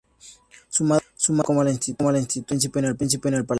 Su madre ejerció como la institutriz del príncipe en el palacio.